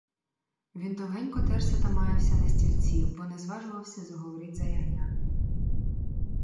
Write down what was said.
Він довгенько терся та м'явся на стільці, бо не зважувався заговорить за ягня.